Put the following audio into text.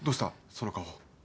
その顔。